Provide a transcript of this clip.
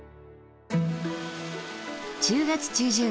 １０月中旬